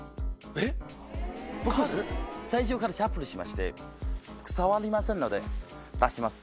最初シャッフルして僕触りませんので出します。